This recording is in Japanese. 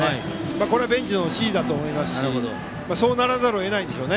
これベンチの指示だと思いますしそうならざるを得ないんでしょう。